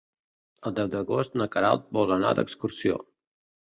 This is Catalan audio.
El deu d'agost na Queralt vol anar d'excursió.